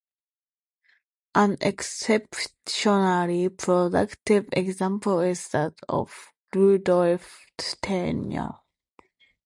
An exceptionally productive example is that of Rudolf Steiner.